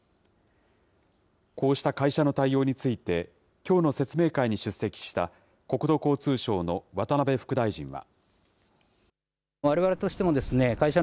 こうした会社の対応について、きょうの説明会に出席した国土交通省の渡辺副大臣は。